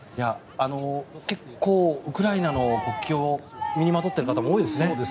結構、ウクライナの国旗を身にまとっている方も多いですね。